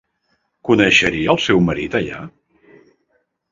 Coneixeria el seu marit allà?